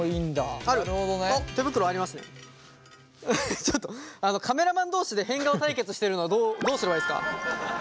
フフッちょっとカメラマン同士で変顔対決してるのどうすればいいですか？